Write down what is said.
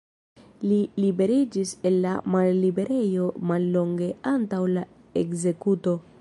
Li liberiĝis el la malliberejo mallonge antaŭ la ekzekuto.